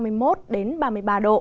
lưu xuống phía nam